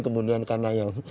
kemudian karena yang